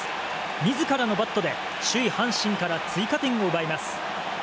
自らのバットで首位、阪神から追加点を奪います。